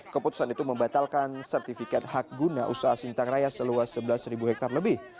keputusan itu membatalkan sertifikat hak guna usaha sintang raya seluas sebelas hektare lebih